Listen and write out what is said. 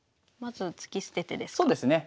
まず突き捨ててですか？